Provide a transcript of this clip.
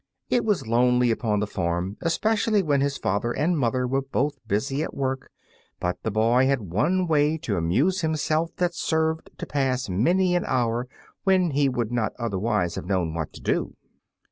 It was lonely upon the farm, especially when his father and mother were both busy at work, but the boy had one way to amuse himself that served to pass many an hour when he would not otherwise have known what to do.